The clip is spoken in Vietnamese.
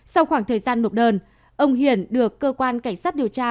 sau khoảng thời gian nộp đơn ông hiển được cơ quan cảnh sát điều tra